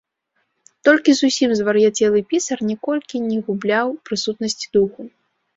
Толькі зусім звар'яцелы пісар ніколькі не губляў прысутнасці духу.